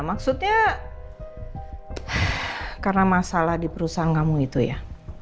maksudnya karena masalah di perusahaan kamu itu ya